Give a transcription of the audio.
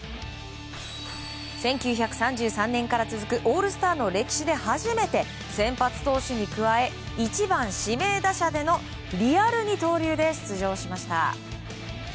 １９３３年から続くオールスターの歴史で初めて先発投手に加え１番、指名打者でのリアル二刀流で出場しました。